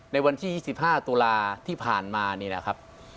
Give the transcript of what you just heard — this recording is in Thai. ในวันที่๒๕ตุลาที่ผ่านมา